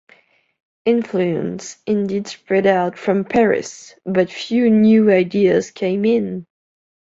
Influence indeed spread out from Paris, but few new ideas came in.